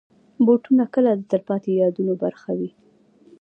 بوټونه کله د تلپاتې یادونو برخه وي.